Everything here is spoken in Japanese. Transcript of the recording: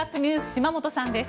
島本さんです。